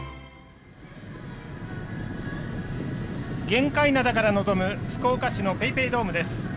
玄界灘から望む福岡市の ＰａｙＰａｙ ドームです。